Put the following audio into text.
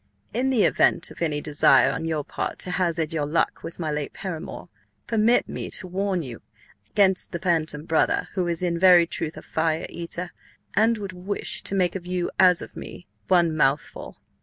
"In the event of any Desire on Yr Part to hazard Yr Luck with my late Paramour, Permit Me to warn You 'gainst the Bantam Brother, who is in Very Truth a Fire Eater, and would wish to make of You, as of Me, one Mouthfull.